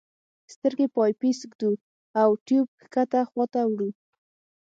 سترګې په آی پیس ږدو او ټیوب ښکته خواته وړو.